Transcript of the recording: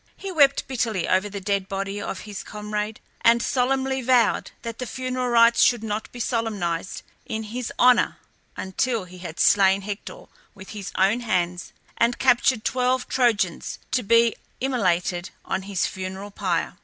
He wept bitterly over the dead body of his comrade, and solemnly vowed that the funereal rites should not be solemnized in his honour until he had slain Hector with his own hands, and captured twelve Trojans to be immolated on his funeral pyre.